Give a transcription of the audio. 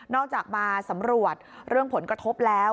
จากมาสำรวจเรื่องผลกระทบแล้ว